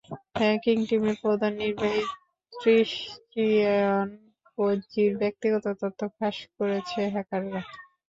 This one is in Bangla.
হ্যাকিং টিমের প্রধান নির্বাহী ক্রিশ্চিয়ান পোজ্জির ব্যক্তিগত তথ্যও ফাঁস করেছে হ্যাকাররা।